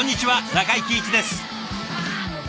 中井貴一です。